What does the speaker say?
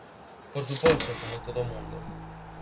Por suposto, como todo o mundo.